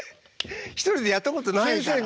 １人でやったことないからね？